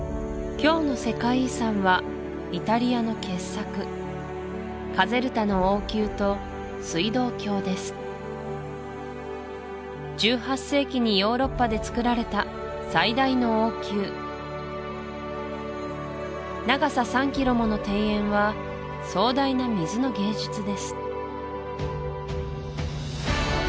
今日の「世界遺産」はイタリアの傑作カゼルタの王宮と水道橋です１８世紀にヨーロッパでつくられた最大の王宮長さ３キロもの庭園は壮大な水の芸術です